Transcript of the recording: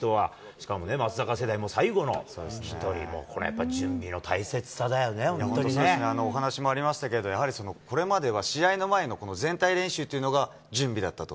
しかもね、松坂世代最後の１人、これやっぱり準備の大切さだよね、お話にもありましたけど、やはりこれまでは試合の前のこの全体練習というのが準備だったと。